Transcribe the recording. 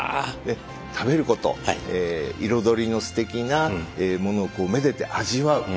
食べること彩りのすてきなものをめでて味わう。